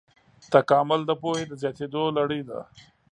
تکامل د پوهې د زیاتېدو لړۍ ده.